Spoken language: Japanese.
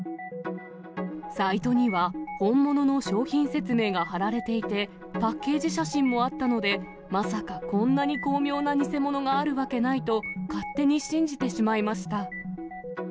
サイトには、本物の商品説明が貼られていて、パッケージ写真もあったので、まさかこんなに巧妙な偽物があるわけないと、勝手に信じてしまいました。